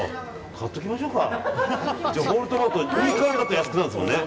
買っておきましょうか。